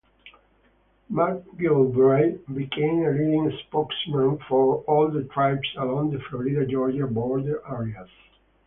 McGillivray became a leading spokesman for all the tribes along the Florida-Georgia border areas.